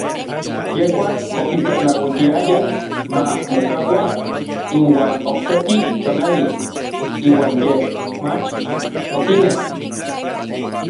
Yejuan okitlatlautiayaj ma mokaua inuan okseki tonali, iuan yej mach okinek.